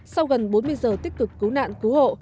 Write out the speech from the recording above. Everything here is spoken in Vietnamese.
sau gần bốn mươi giờ tích cực cứu nạn cứu hộ